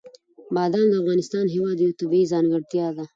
بادام د افغانستان هېواد یوه طبیعي ځانګړتیا ده.